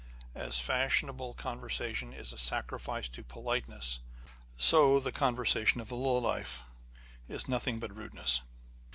As fashionable conversation is a sacrifice to politeness, so the conversation of low life is nothing but rudeness.